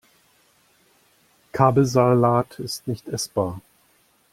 Kabelsalat ist nicht essbar.